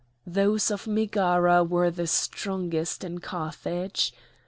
Those of Megara were the strongest in Carthage.